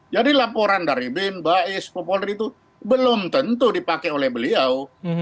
jadi laporan dari bin bais populer itu belum tentu dipakai oleh beliau